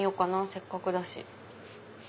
せっかくだし。